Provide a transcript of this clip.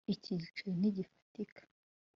Iki giceri ntigifatika